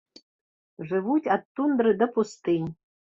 Жывуць ад тундры да пустынь.